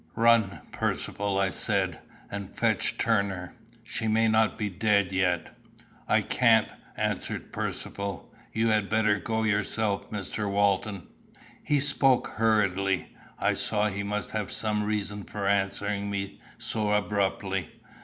"Run, Percivale," I said, "and fetch Turner. She may not be dead yet." "I can't," answered Percivale. "You had better go yourself, Mr. Walton." He spoke hurriedly. I saw he must have some reason for answering me so abruptly.